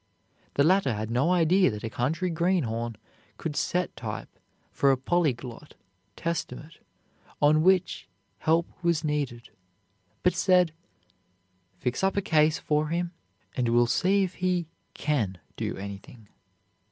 The latter had no idea that a country greenhorn could set type for the Polyglot Testament on which help was needed, but said: "Fix up a case for him and we'll see if he can do anything."